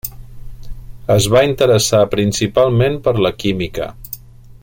Es va interessar principalment per la química.